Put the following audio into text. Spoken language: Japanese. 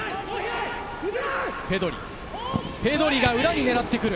ペドリが裏に狙ってくる。